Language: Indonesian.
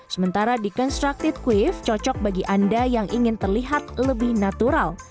sementara deconstructed queues cocok bagi anda yang ingin terlihat lebih natural